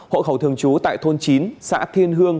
hộ khẩu thường trú tại thôn chín xã thiên hương